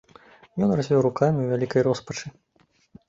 Ён развёў рукамі ў вялікай роспачы.